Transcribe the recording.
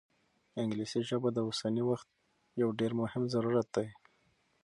انګلیسي ژبه د اوسني وخت یو ډېر مهم ضرورت دی.